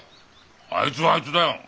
あいつはあいつだよ。